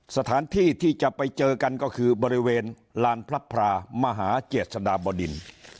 สถานที่ที่จะไปเจอกันก็คือบริเวณลานพระพรามหาเจษฎาบดิน